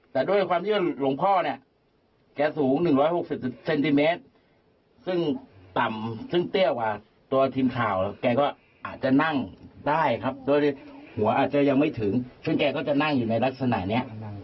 แต่ด้วยความที่ว่าหลวงพ่อเนี่ยแกสูง๑๖๐เซนติเมตรซึ่งต่ำซึ่งเตี้ยกว่าตัวทีมข่าวแกก็อาจจะนั่งได้ครับโดยหัวอาจจะยังไม่ถึงซึ่งแกก็จะนั่งอยู่ในลักษณะนี้